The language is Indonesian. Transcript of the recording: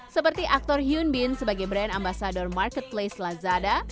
seperti aktor hyun bin sebagai brand ambasador marketplace lazada